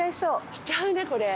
しちゃうねこれ。